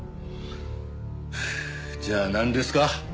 はあじゃあなんですか？